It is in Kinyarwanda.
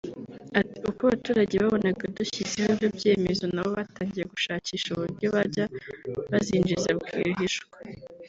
Ati”Uko abaturage babonaga dushyizeho ibyo byemezo nabo batangiye gushakisha uburyo bajya bazinjiza rwihishwa